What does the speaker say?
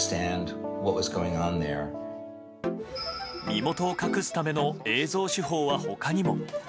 身元を隠すための映像手法は他にも。